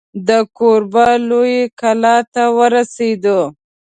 د کوربه لویې کلا ته ورسېدو.